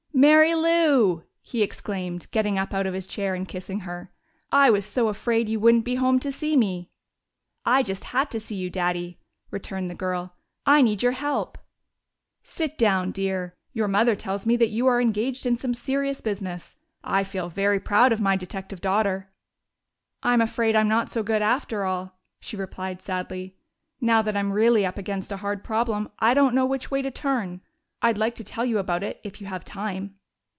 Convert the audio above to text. "Mary Lou!" he exclaimed, getting up out of his chair and kissing her. "I was so afraid you wouldn't be home to see me!" "I just had to see you, Daddy," returned the girl. "I need your help." "Sit down, dear. Your mother tells me that you are engaged in some serious business. I feel very proud of my detective daughter." "I'm afraid I'm not so good after all," she replied sadly. "Now that I'm really up against a hard problem, I don't know which way to turn. I'd like to tell you about it, if you have time."